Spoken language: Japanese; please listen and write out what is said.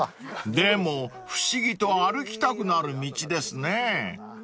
［でも不思議と歩きたくなる道ですね］